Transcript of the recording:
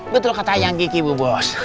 betul kata yang gigi bu bos